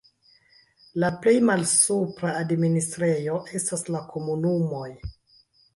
La plej malsupra administrejo estas la komunumoj.